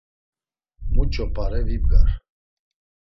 Muç̌o p̌are vibgar.